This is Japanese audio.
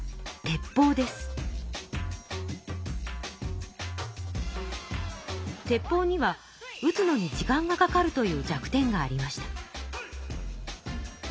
鉄砲にはうつのに時間がかかるという弱点がありました。